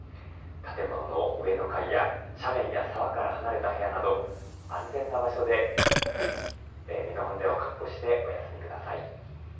建物の上の階や斜面や沢から離れた部屋など安全な場所で身の安全を確保してお休みください。